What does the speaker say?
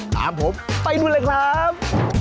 ตามผมไปนู่นเลยครับ